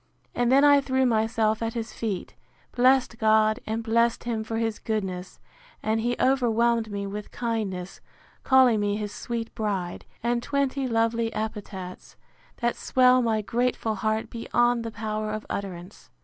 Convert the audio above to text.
And then I threw myself at his feet, blessed God, and blessed him for his goodness; and he overwhelmed me with kindness, calling me his sweet bride, and twenty lovely epithets, that swell my grateful heart beyond the power of utterance.